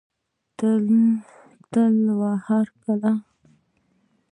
تل او هرکله.